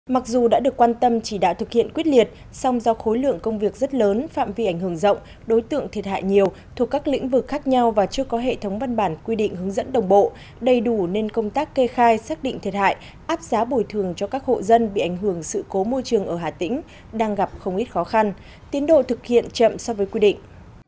mặc dù đã được quan tâm chỉ đã thực hiện quyết liệt song do khối lượng công việc rất lớn phạm vi ảnh hưởng rộng đối tượng thiệt hại nhiều thuộc các lĩnh vực khác nhau và chưa có hệ thống văn bản quy định hướng dẫn đồng bộ đầy đủ nên công tác kê khai xác định thiệt hại áp giá bồi thường cho các hộ dân bị ảnh hưởng sự cố môi trường ở hà tĩnh đang gặp không ít khó khăn tiến độ thực hiện chậm so với quy định